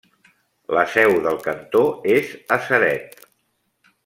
La seu del cantó és a Ceret.